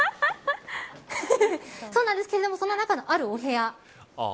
そうなんですけれどもその中のあるお部屋。